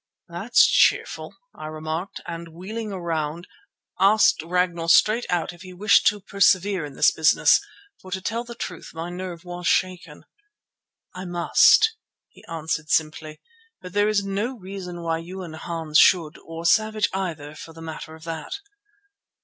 "That's cheerful," I remarked, and wheeling round, asked Ragnall straight out if he wished to persevere in this business, for to tell the truth my nerve was shaken. "I must," he answered simply, "but there is no reason why you and Hans should, or Savage either for the matter of that."